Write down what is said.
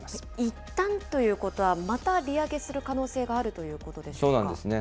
いったんということは、また利上げする可能性があるというこそうなんですね。